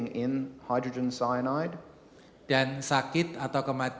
dan ini juga dapat menyebabkan kematian